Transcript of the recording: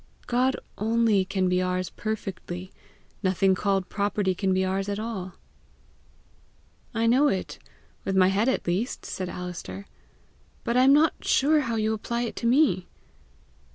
God only can be ours perfectly; nothing called property can be ours at all." "I know it with my head at least," said Alister; "but I am not sure how you apply it to me."